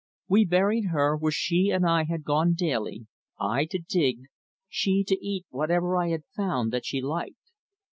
We buried her where she and I had gone daily, I to dig, she to eat whatever I found that she liked.